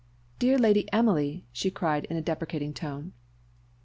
"Dear Lady Emily!" cried she in a deprecating tone.